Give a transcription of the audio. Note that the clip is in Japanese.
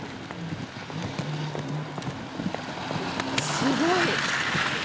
すごい。